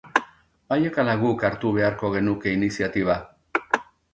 Haiek ala guk hartu beharko genuke iniziatiba?